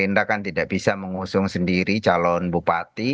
gerindra kan tidak bisa mengusung sendiri calon bupati